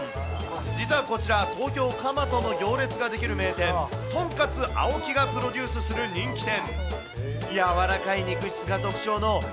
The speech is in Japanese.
実はこちら、東京・蒲田の行列が出来る名店、とんかつ檍がプロデュースする人気店。